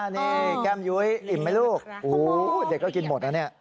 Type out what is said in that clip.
นี่แก้มยุ้ยอิ่มไหมลูกเด็กก็กินหมดนะเนี่ย